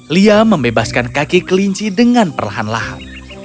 lia membebaskan kaki kelinci dengan perlahan lahan